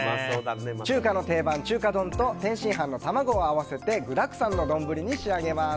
中華の定番、中華丼と天津飯の卵を合わせて具だくさんの丼に仕上げます。